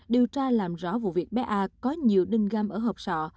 điều tra làm rõ vụ việc bé a có nhiều đinh gam ở hộp sọ